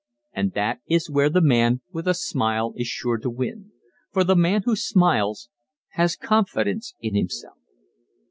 And that is where the man with a smile is sure to win for the man who smiles has confidence in himself.